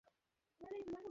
ও হল মার্গারেট।